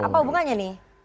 apa hubungannya ini